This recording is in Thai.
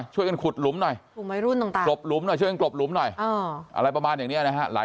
ช่วยกันขุดหลุมในเรื่องต่างขึ้นต่างบางประมาณยังนี้หลาย